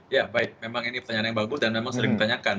ya baik memang ini pertanyaan yang bagus dan memang sering ditanyakan